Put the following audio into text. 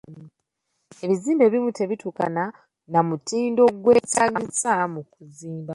Ebizimbe ebimu tebituukana na mutindo gwetaagisa mu kuzimba.